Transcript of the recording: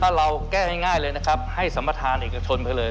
ถ้าเราแก้ง่ายเลยนะครับให้สัมประธานเอกชนไปเลย